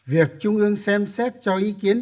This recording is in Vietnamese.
việc trung ương xem xét cho ý kiến